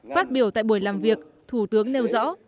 phát biểu tại buổi làm việc thủ tướng nêu rõ